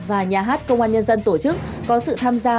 và nhà hát công an nhân dân tổ chức có sự tham gia